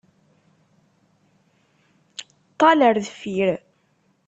Ṭṭal ar deffir.